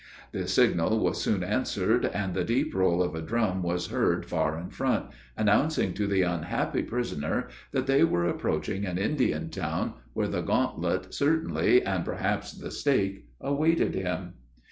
The signal was soon answered, and the deep roll of a drum was heard far in front, announcing to the unhappy prisoner, that they were approaching an Indian town, where the gauntlet, certainly, and perhaps the stake awaited him.